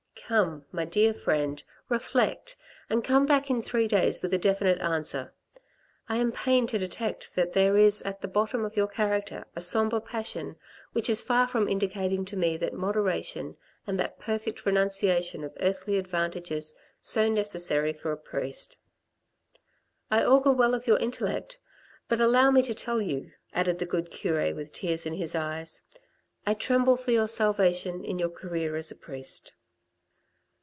Come, my dear friend, reflect, and come back in three days with a definite answer. I am pained to detect that there is at the bottom of your character a sombre passion which is far from indicating to me that moderation and that perfect renunciation of earthly advantages so necessary for a priest ; I augur well of your intellect, but allow me to tell you," added the good cure with tears in his eyes, " I tremble for your salvation in your career as a priest."